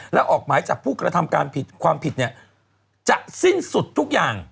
แล้วออกหมายจับผู้กระทำการผิดความผิดเนี่ยจะสิ้นสุดทุกอย่าง